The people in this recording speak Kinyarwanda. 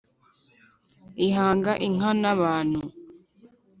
ihanga inka na bantu,